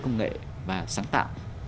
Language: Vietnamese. công nghệ và sáng tạo